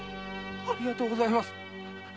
ありがとうございます。